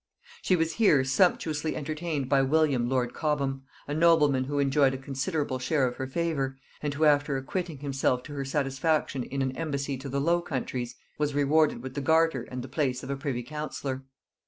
She was here sumptuously entertained by William lord Cobham, a nobleman who enjoyed a considerable share of her favor, and who, after acquitting himself to her satisfaction in an embassy to the Low Countries, was rewarded with the garter and the place of a privy councillor.